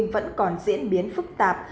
vẫn còn diễn biến phức tạp